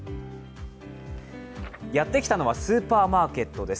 やってきたのはスーパーマーケットです。